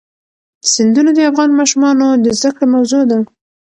سیندونه د افغان ماشومانو د زده کړې موضوع ده.